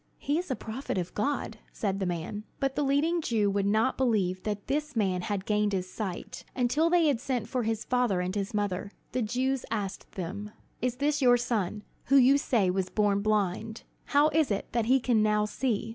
"He is a prophet of God," said the man. But the leading Jews would not believe that this man had gained his sight, until they had sent for his father and his mother. The Jews asked them: "Is this your son, who you say was born blind? How is it that he can now see?"